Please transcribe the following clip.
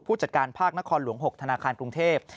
จัดการภาคนครหลวง๖ธนาคารกรุงเทพ